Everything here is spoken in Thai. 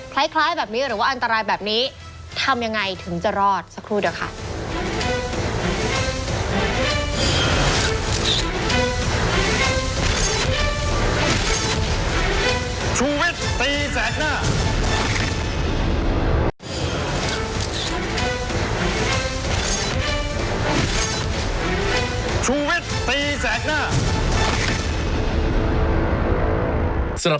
คล้ายแบบนี้หรือว่าอันตรายแบบนี้ทำยังไงถึงจะรอดสักครู่เดี๋ยวค่ะ